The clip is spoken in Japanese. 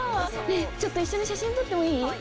ねえちょっと一緒に写真撮ってもいい？